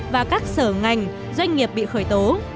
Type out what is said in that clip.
và các sở ngành doanh nghiệp bị khởi tố